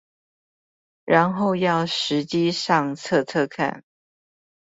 然後要實機上測測看